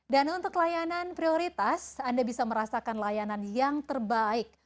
dan untuk layanan prioritas anda bisa merasakan layanan yang terbaik